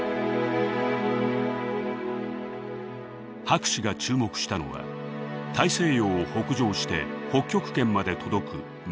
博士が注目したのは大西洋を北上して北極圏まで届くメキシコ湾流です。